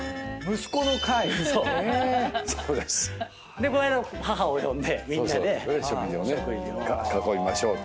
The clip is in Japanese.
でこの間母を呼んでみんなで食事を。囲いましょうと。